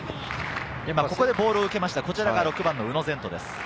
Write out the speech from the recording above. ここでボールを受けました、こちらが６番の宇野禅斗です。